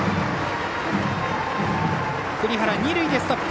栗原、二塁でストップ。